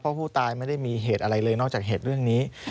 เพราะผู้ตายไม่ได้มีเหตุอะไรเลยนอกจากเหตุเรื่องนี้